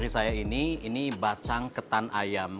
saya ini ini bacang ketan ayam